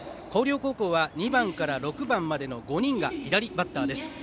広陵高校は２番から６番までの５人が左バッターです。